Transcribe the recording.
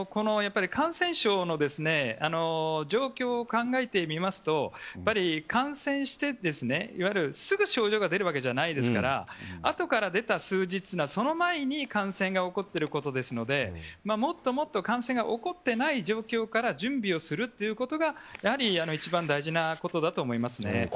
感染症の状況を考えてみますと感染してすぐ症状が出るわけじゃないですからその前に感染が起こってるわけですのでもっともっと感染が起こっていない状況から準備をするということが一番大事なことだと思います。